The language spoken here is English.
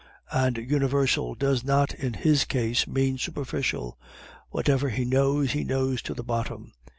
And universal does not in his case mean superficial; whatever he knows, he knows to the bottom.